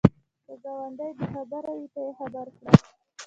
که ګاونډی بې خبره وي، ته یې خبر کړه